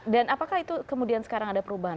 dan apakah itu kemudian sekarang ada perubahan